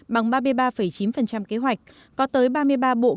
bằng ba b ba bộ tài chính đã đạt gần một trăm sáu mươi tỷ đồng